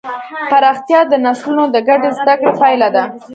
پراختیا د نسلونو د ګډې زدهکړې پایله ده.